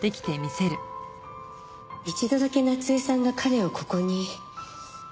一度だけ夏恵さんが彼をここに。